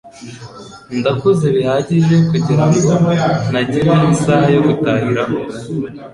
Ndakuze bihagije kugirango ntagira isaha yo gutahiraho.